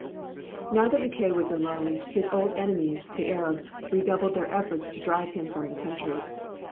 Now that Mackay was alone, his old enemies, the Arabs, redoubled their efforts to drive him from the country.